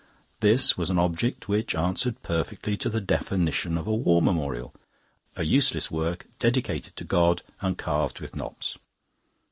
This was an object which answered perfectly to the definition of a War Memorial: a useless work dedicated to God and carved with knops.